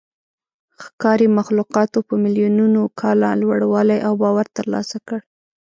ښکاري مخلوقاتو په میلیونونو کاله لوړوالی او باور ترلاسه کړ.